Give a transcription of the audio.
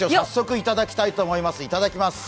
いただきます。